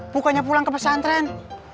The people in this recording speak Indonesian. bukannya pulang ke persantren